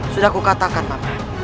sudah kukatakan mama